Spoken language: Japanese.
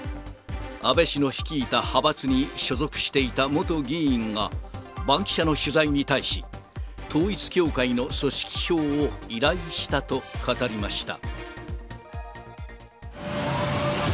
安倍氏の率いた派閥に所属していた元議員が、バンキシャの取材に対し、統一教会の組織票を依頼したと語りました。